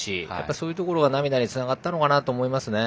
そういうところが涙につながったんだと思いますね。